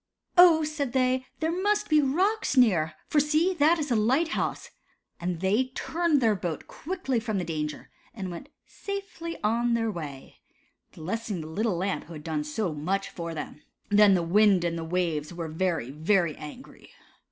"Oh," said they, "there must be rocks near, for see, that is a light house," and they turned the boat quickly from the danger, and went safely on their way, blessing the little Lamp who had done so much for them. Then the wind and the waves were very, very angry.